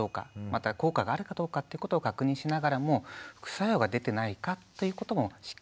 また効果があるかどうかってことを確認しながらも副作用が出てないかということもしっかり確認しているんですね。